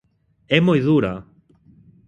"É moi dura".